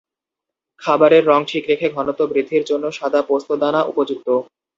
খাবারের রঙ ঠিক রেখে ঘনত্ব বৃদ্ধির জন্য সাদা পোস্তদানা উপযুক্ত।